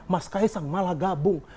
mas kaesang malah gabung